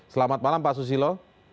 selamat malam pak susilo